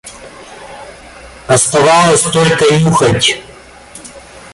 Оставалось только нюхать.